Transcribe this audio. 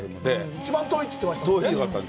一番遠いって言ってましたもんね。